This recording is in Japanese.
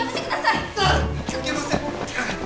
いけません！